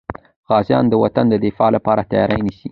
غازیان د وطن د دفاع لپاره تیاري نیسي.